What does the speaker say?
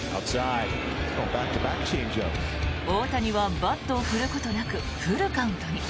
大谷はバットを振ることなくフルカウントに。